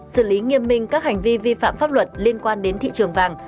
xử lý nghiêm minh các hành vi vi phạm pháp luật liên quan đến thị trường vàng